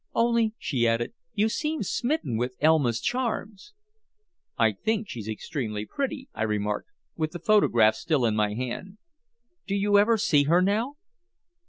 "Only," she added, "you seem smitten with Elma's charms." "I think she's extremely pretty," I remarked, with the photograph still in my hand. "Do you ever see her now?"